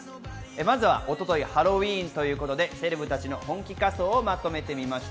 まず一昨日、ハロウィーンということで、セレブたちの本気仮装をまとめました。